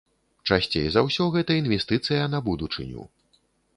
Часцей за ўсё гэта інвестыцыя на будучыню.